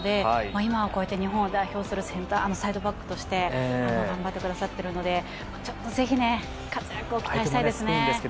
今は日本を代表するセンターバックとして頑張ってくださっているのでぜひ活躍を期待したいです。